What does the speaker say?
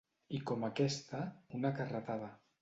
I com aquesta, una carretada.